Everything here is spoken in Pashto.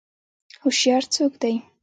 هوشیار څوک دی؟